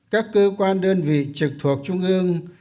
các cơ quan đơn vị trực thuộc trung ương